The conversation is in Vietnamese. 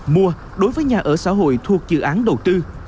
mua đối với nhà ở xã hội thuộc dự án đầu tư